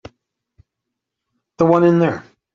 The one in there.